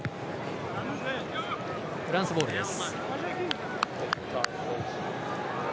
フランスボールです。